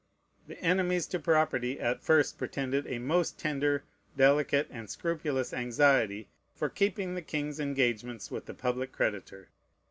The enemies to property at first pretended a most tender, delicate, and scrupulous anxiety for keeping the king's engagements with the public creditor.